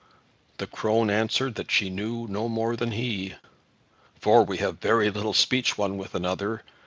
The crone answered that she knew no more than he, "for we have very little speech one with another.